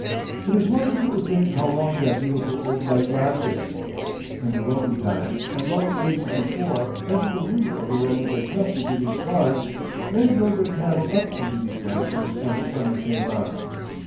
It is wonderful to think how long that beautiful old life lasted. In the Roman times and long ages before ever the rumour of the Romans had come into these parts, men drove their cattle up into these places as the summer came on....